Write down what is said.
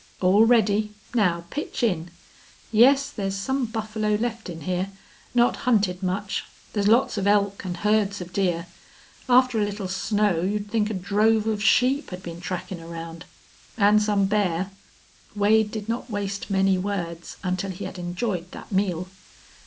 "All ready. Now pitch in.... Yes, thar's some buffalo left in here. Not hunted much. Thar's lots of elk an' herds of deer. After a little snow you'd think a drove of sheep had been trackin' around. An' some bear." Wade did not waste many words until he had enjoyed that meal.